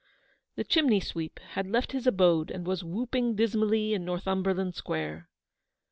The chimney sweep had left his abode and "was whooping dismally in Northumberland Square.